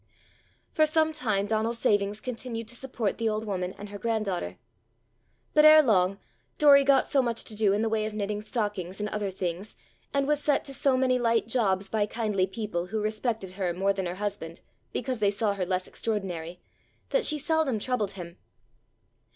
For some time Donal's savings continued to support the old woman and her grand daughter. But ere long Doory got so much to do in the way of knitting stockings and other things, and was set to so many light jobs by kindly people who respected her more than her husband because they saw her less extraordinary, that she seldom troubled him.